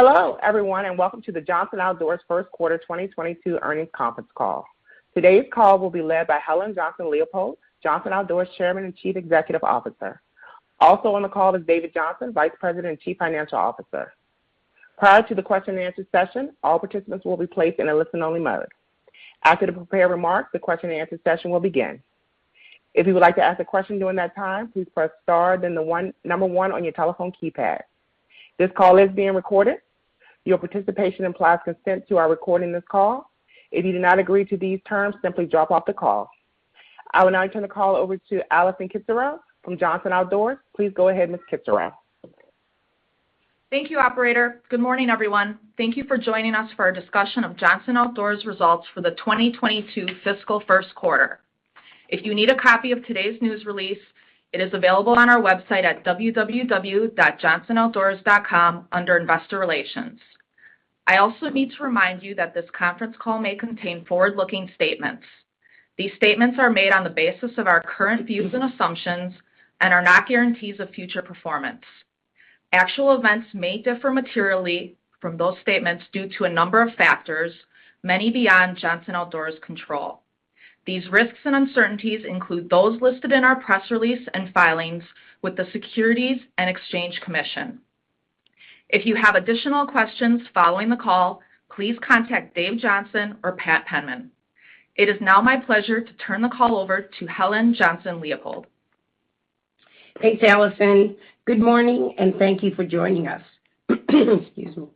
Hello, everyone, and welcome to the Johnson Outdoors First Quarter 2022 Earnings Conference Call. Today's call will be led by Helen Johnson-Leipold, Johnson Outdoors Chairman and Chief Executive Officer. Also on the call is David Johnson, Vice President and Chief Financial Officer. Prior to the question and answer session, all participants will be placed in a listen-only mode. After the prepared remarks, the question and answer session will begin. If you would like to ask a question during that time, please press star then 1 on your telephone keypad. This call is being recorded. Your participation implies consent to our recording of this call. If you do not agree to these terms, simply drop off the call. I will now turn the call over to Allison Kitzerow from Johnson Outdoors. Please go ahead, Ms. Kitzerow. Thank you, operator. Good morning, everyone. Thank you for joining us for our discussion of Johnson Outdoors results for the 2022 fiscal Q1. If you need a copy of today's news release, it is available on our website at www.johnsonoutdoors.com under Investor Relations. I also need to remind you that this conference call may contain forward-looking statements. These statements are made on the basis of our current views and assumptions and are not guarantees of future performance. Actual events may differ materially from those statements due to a number of factors, many beyond Johnson Outdoors' control. These risks and uncertainties include those listed in our press release and filings with the Securities and Exchange Commission. If you have additional questions following the call, please contact Dave Johnson or Pat Penman. It is now my pleasure to turn the call over to Helen Johnson-Leipold. Thanks, Allison. Good morning, and thank you for joining us. Excuse me.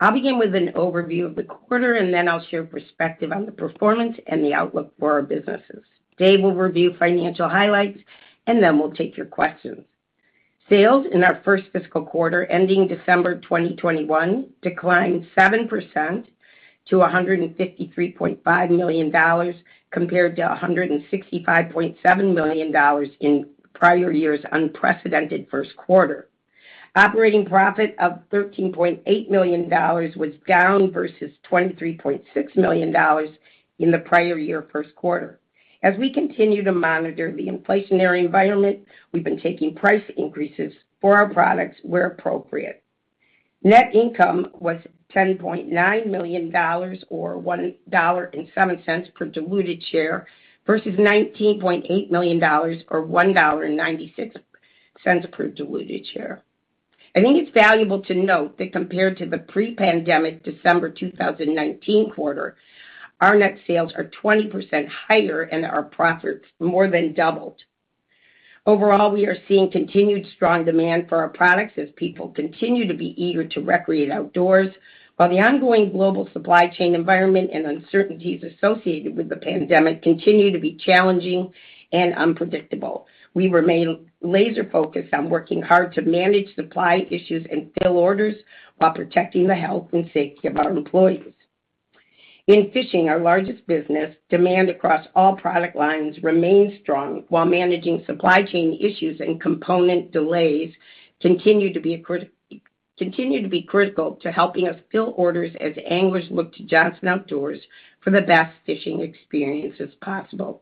I'll begin with an overview of the quarter, and then I'll share perspective on the performance and the outlook for our businesses. Dave will review financial highlights, and then we'll take your questions. Sales in our first fiscal quarter ending December 2021 declined 7% to $153.5 million compared to $165.7 million in prior year's unprecedented Q1. Operating profit of $13.8 million was down versus $23.6 million in the prior year first quarter. As we continue to monitor the inflationary environment, we've been taking price increases for our products where appropriate. Net income was $10.9 million or $1.07 per diluted share versus $19.8 million or $1.96 per diluted share. I think it's valuable to note that compared to the pre-pandemic December 2019 quarter, our net sales are 20% higher and our profits more than doubled. Overall, we are seeing continued strong demand for our products as people continue to be eager to recreate outdoors while the ongoing global supply chain environment and uncertainties associated with the pandemic continue to be challenging and unpredictable. We remain laser-focused on working hard to manage supply issues and fill orders while protecting the health and safety of our employees. In fishing, our largest business, demand across all product lines remains strong while managing supply chain issues and component delays continue to be critical to helping us fill orders as anglers look to Johnson Outdoors for the best fishing experiences possible.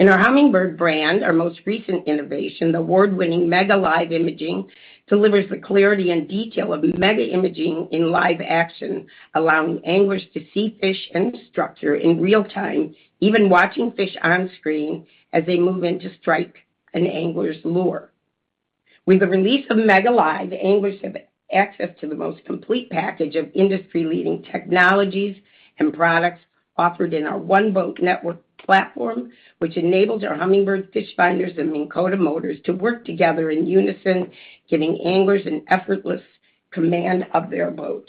In our Humminbird brand, our most recent innovation, the award-winning MEGA Live Imaging, delivers the clarity and detail of MEGA Imaging in live action, allowing anglers to see fish and structure in real time, even watching fish on screen as they move in to strike an angler's lure. With the release of MEGA Live, anglers have access to the most complete package of industry-leading technologies and products offered in our One-Boat Network platform, which enables our Humminbird fish finders and Minn Kota motors to work together in unison, giving anglers an effortless command of their boat.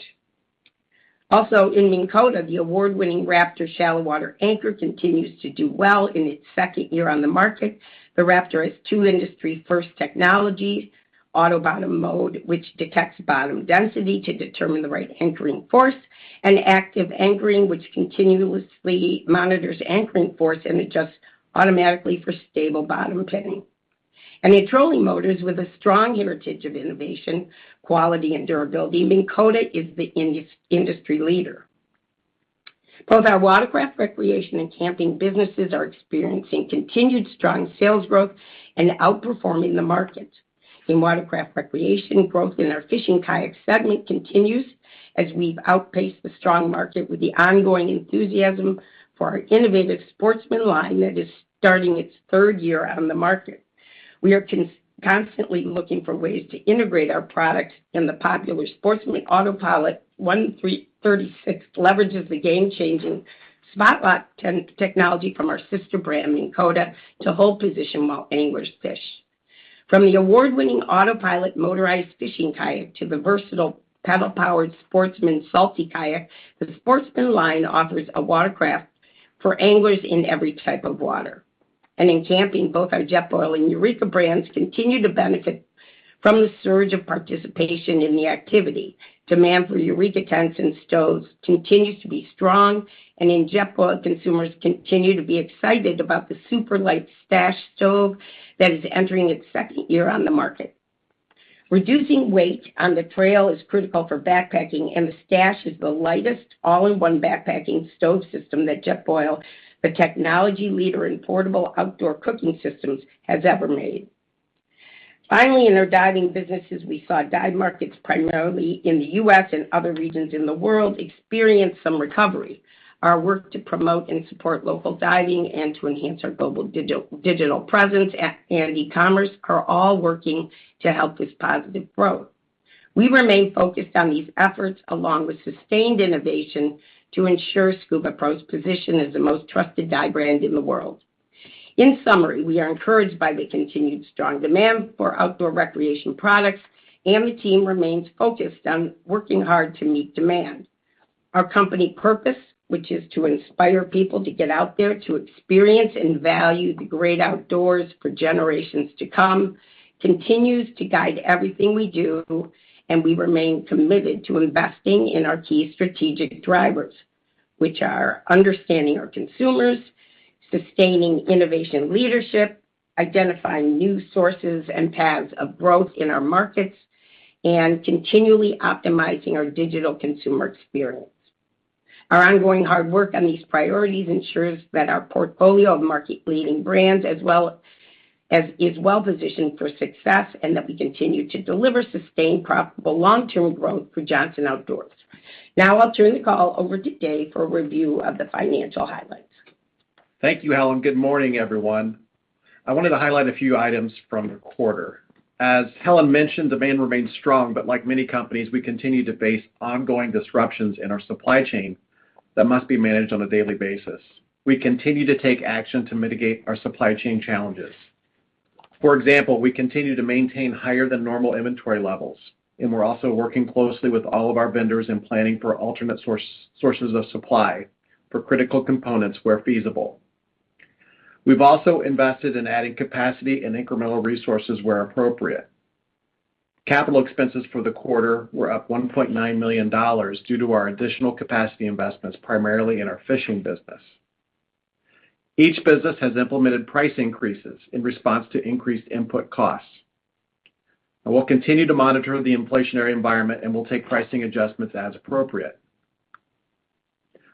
Also, in Minn Kota, the award-winning Raptor Shallow Water Anchor continues to do well in its second year on the market. The Raptor has two industry-first technologies, Auto-Bottom Mode, which detects bottom density to determine the right anchoring force, and Active Anchoring, which continuously monitors anchoring force and adjusts automatically for stable bottom pinning. In trolling motors, with a strong heritage of innovation, quality and durability, Minn Kota is the industry leader. Both our Watercraft Recreation and Camping businesses are experiencing continued strong sales growth and outperforming the market. In Watercraft Recreation, growth in our fishing kayak segment continues as we've outpaced the strong market with the ongoing enthusiasm for our innovative Sportsman line that is starting its third year on the market. We are constantly looking for ways to integrate our products, and the popular Sportsman AutoPilot 136 leverages the game-changing Spot-Lock technology from our sister brand, Minn Kota, to hold position while anglers fish. From the award-winning autopilot motorized fishing kayak to the versatile paddle-powered Sportsman Salty kayak, the Sportsman line offers a watercraft for anglers in every type of water. In camping, both our Jetboil and Eureka brands continue to benefit from the surge of participation in the activity. Demand for Eureka tents and stoves continues to be strong, and in Jetboil, consumers continue to be excited about the super light Stash stove that is entering its second year on the market. Reducing weight on the trail is critical for backpacking, and the Stash is the lightest all-in-one backpacking stove system that Jetboil, the technology leader in portable outdoor cooking systems, has ever made. Finally, in our diving businesses, we saw dive markets primarily in the US and other regions in the world experience some recovery. Our work to promote and support local diving and to enhance our global digital presence and e-commerce are all working to help this positive growth. We remain focused on these efforts along with sustained innovation to ensure SCUBAPRO's position as the most trusted dive brand in the world. In summary, we are encouraged by the continued strong demand for outdoor recreation products, and the team remains focused on working hard to meet demand. Our company purpose, which is to inspire people to get out there to experience and value the great outdoors for generations to come, continues to guide everything we do, and we remain committed to investing in our key strategic drivers, which are understanding our consumers, sustaining innovation leadership, identifying new sources and paths of growth in our markets, and continually optimizing our digital consumer experience. Our ongoing hard work on these priorities ensures that our portfolio of market-leading brands is well-positioned for success and that we continue to deliver sustained, profitable long-term growth for Johnson Outdoors. Now I'll turn the call over to Dave for a review of the financial highlights. Thank you, Helen. Good morning, everyone. I wanted to highlight a few items from the quarter. As Helen mentioned, demand remains strong, but like many companies, we continue to face ongoing disruptions in our supply chain that must be managed on a daily basis. We continue to take action to mitigate our supply chain challenges. For example, we continue to maintain higher than normal inventory levels, and we're also working closely with all of our vendors in planning for alternate sources of supply for critical components where feasible. We've also invested in adding capacity and incremental resources where appropriate. Capital expenses for the quarter were up $1.9 million due to our additional capacity investments, primarily in our fishing business. Each business has implemented price increases in response to increased input costs. We'll continue to monitor the inflationary environment, and we'll take pricing adjustments as appropriate.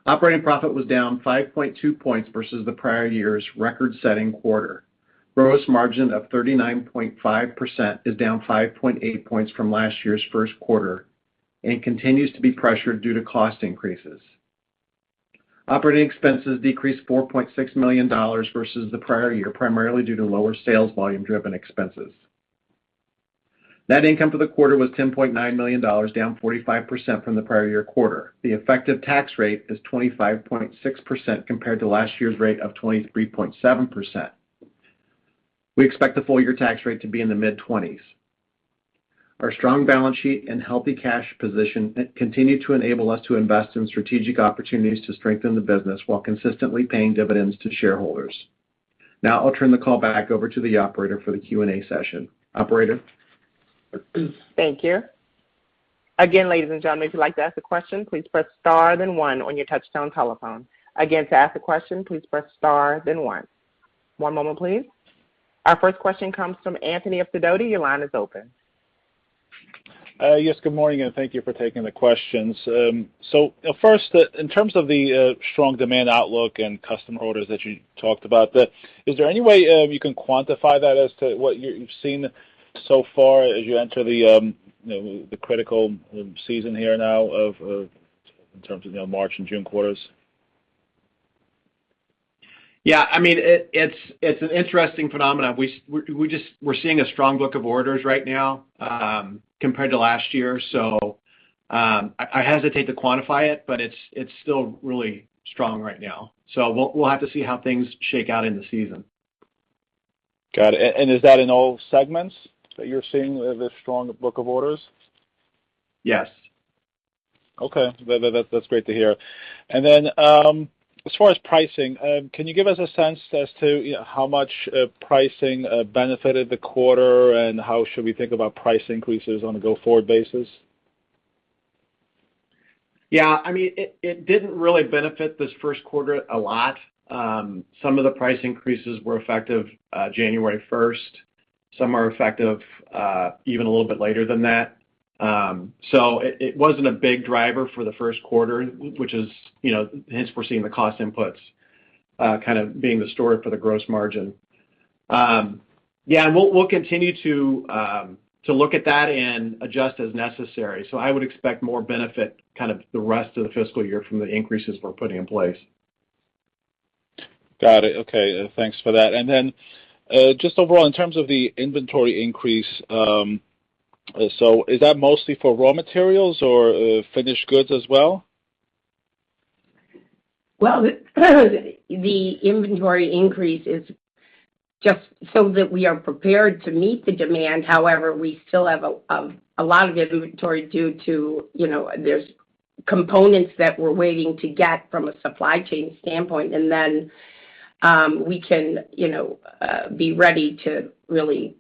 Operating profit was down 5.2 points versus the prior year's record-setting quarter. Gross margin of 39.5% is down 5.8 points from last year's Q1 and continues to be pressured due to cost increases. Operating expenses decreased $4.6 million versus the prior year, primarily due to lower sales volume-driven expenses. Net income for the quarter was $10.9 million, down 45% from the prior year quarter. The effective tax rate is 25.6% compared to last year's rate of 23.7%. We expect the full-year tax rate to be in the mid-twenties. Our strong balance sheet and healthy cash position continue to enable us to invest in strategic opportunities to strengthen the business while consistently paying dividends to shareholders. Now I'll turn the call back over to the operator for the Q&A session. Operator? Thank you. Again, ladies and gentlemen, if you'd like to ask a question, please press star then one on your touchtone telephone. Again, to ask a question, please press star then one. One moment please. Our first question comes from Anthony of Sidoti. Your line is open. Yes, good morning, and thank you for taking the questions. So, first, in terms of the strong demand outlook and customer orders that you talked about, is there any way you can quantify that as to what you've seen so far as you enter the critical season here now of in terms of, you know, March and June quarters? Yeah, I mean, it's an interesting phenomenon. We're seeing a strong book of orders right now, compared to last year. I hesitate to quantify it, but it's still really strong right now. We'll have to see how things shake out in the season. Got it. Is that in all segments that you're seeing the strong book of orders? Yes. Okay. That's great to hear. As far as pricing, can you give us a sense as to, you know, how much pricing benefited the quarter, and how should we think about price increases on a go-forward basis? Yeah, I mean, it didn't really benefit this first quarter a lot. Some of the price increases were effective January first. Some are effective even a little bit later than that. It wasn't a big driver for the Q1, which is, you know, hence we're seeing the cost inputs kind of being the story for the gross margin. Yeah, and we'll continue to look at that and adjust as necessary. I would expect more benefit kind of the rest of the fiscal year from the increases we're putting in place. Got it. Okay. Thanks for that. Just overall, in terms of the inventory increase, is that mostly for raw materials or finished goods as well? Well, the inventory increase is just so that we are prepared to meet the demand. However, we still have a lot of inventory due to, you know, there's components that we're waiting to get from a supply chain standpoint, and then, we can, you know, be ready to really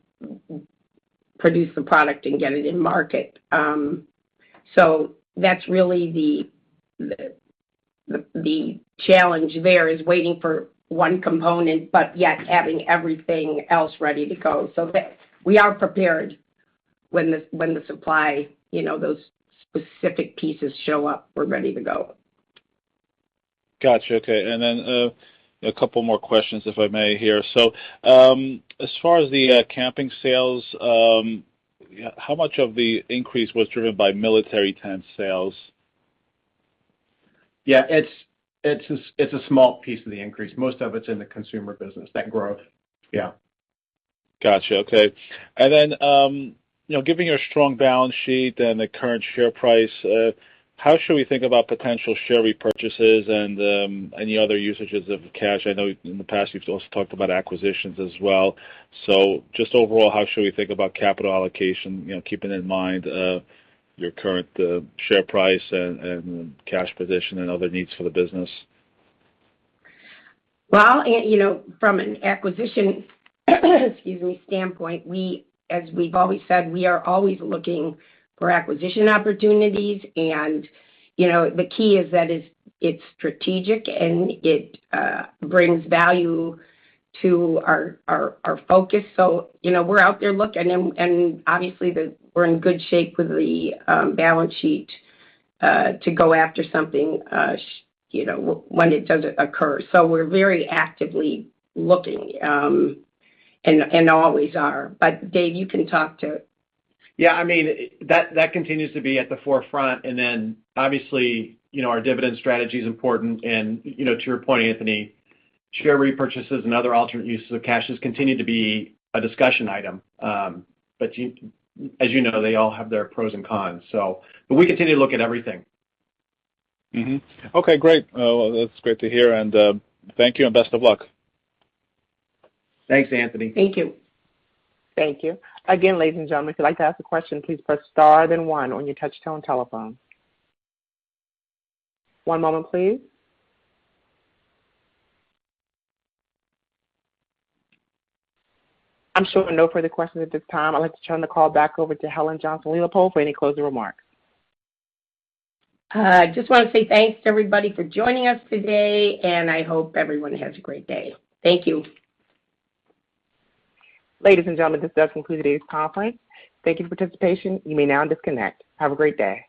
produce the product and get it in market. That's really the challenge there is waiting for one component, but yet having everything else ready to go so that we are prepared when the supply, you know, those specific pieces show up, we're ready to go. Gotcha. Okay. A couple more questions, if I may here. As far as the camping sales, how much of the increase was driven by military tent sales? Yeah. It's a small piece of the increase. Most of it's in the consumer business, that growth. Yeah. Gotcha. Okay. You know, giving your strong balance sheet and the current share price, how should we think about potential share repurchases and any other usages of cash? I know in the past, you've also talked about acquisitions as well. Just overall, how should we think about capital allocation, you know, keeping in mind your current share price and cash position and other needs for the business? Well, you know, from an acquisition, excuse me, standpoint, as we've always said, we are always looking for acquisition opportunities and, you know, the key is that it's strategic and it brings value to our focus. You know, we're out there looking and obviously, we're in good shape with the balance sheet to go after something, you know, when it does occur. We're very actively looking and always are. Dave, you can talk to Yeah. I mean, that continues to be at the forefront. Then obviously, you know, our dividend strategy is important. You know, to your point, Anthony, share repurchases and other alternate uses of cash has continued to be a discussion item. But as you know, they all have their pros and cons. But we continue to look at everything. Okay, great. Well, that's great to hear. Thank you and best of luck. Thanks, Anthony. Thank you. Thank you. Again, ladies and gentlemen, if you'd like to ask a question, please press star then one on your touchtone telephone. One moment, please. I'm showing no further questions at this time. I'd like to turn the call back over to Helen Johnson-Leipold for any closing remarks. Just wanna say thanks to everybody for joining us today, and I hope everyone has a great day. Thank you. Ladies and gentlemen, this does conclude today's conference. Thank you for your participation. You may now disconnect. Have a great day.